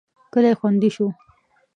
کلی خوندي شو.